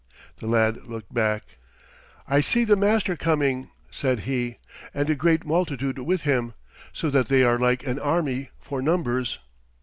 The lad looked back. "I see the Master coming," said he, "and a great multitude with him, so that they are like an army for numbers."